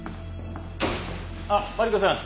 あっマリコさん。